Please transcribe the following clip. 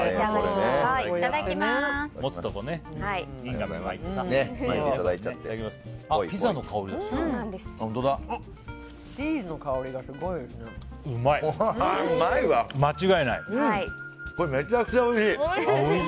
これめちゃくちゃおいしい。